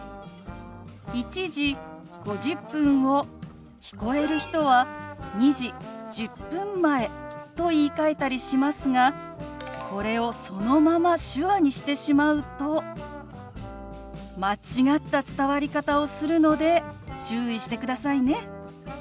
「１時５０分」を聞こえる人は「２時１０分前」と言いかえたりしますがこれをそのまま手話にしてしまうと間違った伝わり方をするので注意してくださいね。